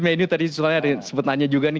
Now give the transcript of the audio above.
menu tadi soalnya ada sempat nanya juga nih